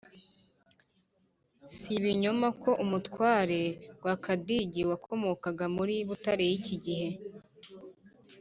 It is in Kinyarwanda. si ibinyoma ko umutware rwakadigi wakomokaga muri butare y' iki gihe,